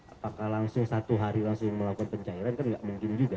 apakah langsung satu hari langsung melakukan pencairan kan nggak mungkin juga